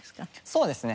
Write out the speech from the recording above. そうですね。